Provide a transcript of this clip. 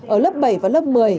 ở lớp bảy và lớp một mươi